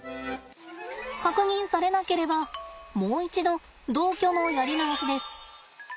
確認されなければもう一度同居のやり直しです。